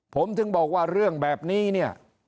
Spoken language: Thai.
ผมถึงบอกว่าเรื่องแบบนี้เนี่ย